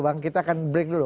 bang kita akan break dulu